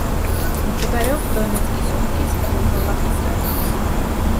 მდებარეობს დონეცკის ოლქის ვოლნოვახის რაიონში.